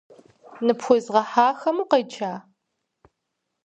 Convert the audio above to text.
Ныпхуезгъэхьахэм укъеджа?